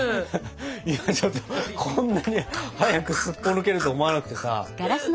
今ちょっとこんなに早くすっぽ抜けると思わなくてさ。